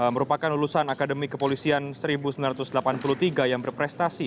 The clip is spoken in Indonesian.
merupakan lulusan akademik kepolisian seribu sembilan ratus delapan puluh tiga yang berprestasi